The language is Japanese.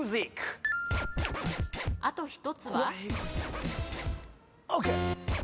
あと１つは？